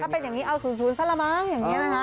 เป็นอย่างนี้เอา๐๐ซะละมั้งอย่างนี้นะคะ